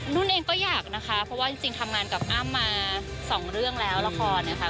นุ่นเองก็อยากนะคะเพราะว่าจริงทำงานกับอ้ำมาสองเรื่องแล้วละครนะคะ